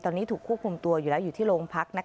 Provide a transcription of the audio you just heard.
ตอนนี้ถูกควบคุมตัวอยู่แล้วอยู่ที่โรงพัก